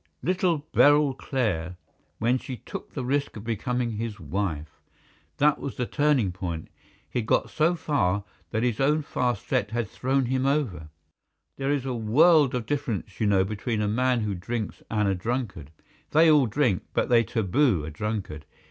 "Little Beryl Clare, when she took the risk of becoming his wife. That was the turning point. He had got so far that his own fast set had thrown him over. There is a world of difference, you know, between a man who drinks and a drunkard. They all drink, but they taboo a drunkard.